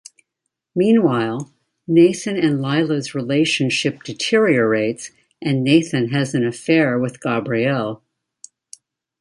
Meanwhile, Nathan and Lila's relationship deteriorates and Nathan has an affair with Gabrielle.